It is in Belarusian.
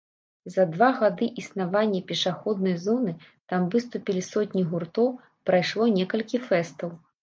За два гады існавання пешаходнай зоны там выступілі сотні гуртоў, прайшло некалькі фэстаў.